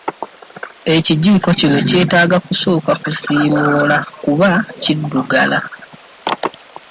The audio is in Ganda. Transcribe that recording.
Ekijiiko kino kyetaaga kusooka kusiimuula kuba kiddugala.